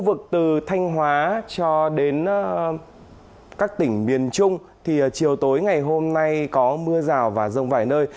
khu vực từ thanh hóa cho đến các tỉnh miền trung thì chiều tối ngày hôm nay có mưa rào và rông vài nơi